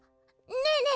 ねえねえ